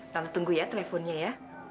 tanpa tunggu ya teleponnya ya